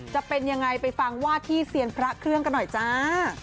จะเป็นยังไงไปฟังวาดที่เซียนพระเครื่องกันหน่อยจ้า